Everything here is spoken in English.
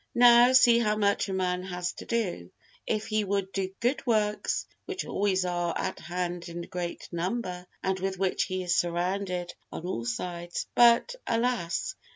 Now see how much a man has to do, if he would do good works, which always are at hand in great number, and with which he is surrounded on all sides; but, alas!